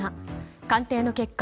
鑑定の結果